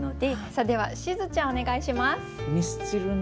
さあではしずちゃんお願いします。